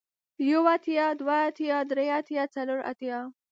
يو اتيا ، دوه اتيا ، دري اتيا ، څلور اتيا ،